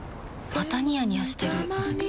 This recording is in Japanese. またニヤニヤしてるふふ。